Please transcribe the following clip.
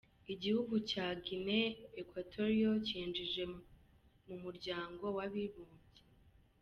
Igihugu cya Guinee Equatorial cyinjije mu muryango w’abibumbye.